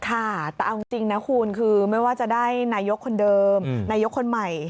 ค่ะแต่เอาจริงนะคุณคือไม่ว่าจะได้นายกคนเดิมนายกคนใหม่